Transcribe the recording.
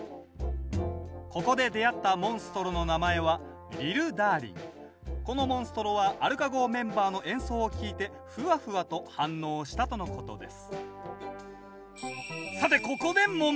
ここで出会ったモンストロの名前はこのモンストロはアルカ号メンバーの演奏を聴いてフワフワと反応したとのことです